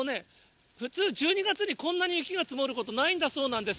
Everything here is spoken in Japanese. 普通、１２月にこんなに雪が積もることないんだそうなんです。